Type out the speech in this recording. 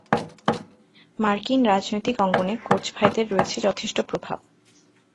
মার্কিন রাজনৈতিক অঙ্গনে কোচ ভাইদের রয়েছে যথেষ্ট প্রভাব।